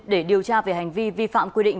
để điều tra về hành vi vi phạm quy định